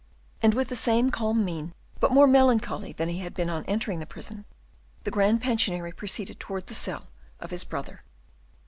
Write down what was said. And with the same calm mien, but more melancholy than he had been on entering the prison, the Grand Pensionary proceeded towards the cell of his brother.